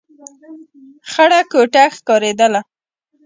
خړه کوټه ښکارېدله.